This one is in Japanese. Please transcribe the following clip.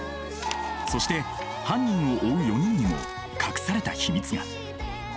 そして犯人を追う４人にも隠された秘密が。